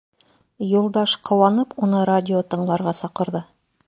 Юлдаш, ҡыуанып, уны радио тыңларға саҡырҙы: